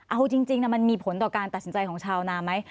เอาจริงมันมีผลต่อการตัดสินใจของชาวนาไหม